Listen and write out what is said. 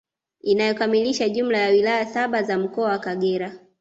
Inayokamilisha jumla ya wilaya saba za Mkoa wa Kagera